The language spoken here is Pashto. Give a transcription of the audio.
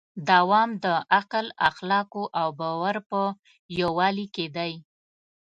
دوام د عقل، اخلاقو او باور په یووالي کې دی.